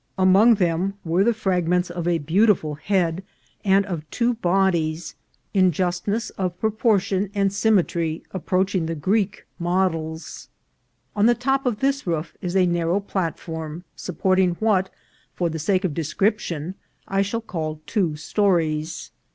Among them were the fragments of a beautiful head and of two bodies, in justness of propor 348 INCIDENTS OF TRATEL. tion and symmetry approaching the Greek models. On the top of this roof is a narrow platform, supporting what, for the sake of description, I shall call two stories.